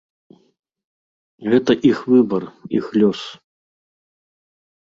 Гэта іх выбар, іх лёс.